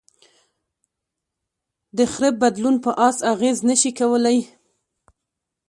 د خره بدلون په آس اغېز نهشي کولی.